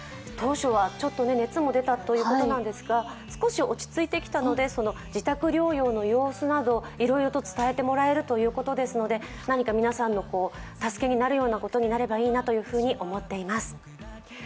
当初はちょっと熱も出たということなんですが、少し落ち着いてきたので自宅療養の様子などいろいろと伝えてもらえるということなので何か皆さんの助けになるようなことになればいいなと思っています。